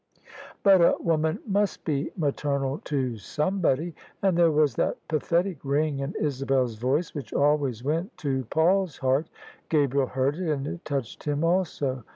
" But a woman must be maternal to somebody." And there was that pathetic ring in Isabel's voice which always went to Paul's heart. Gabriel heard it, and it touched him also.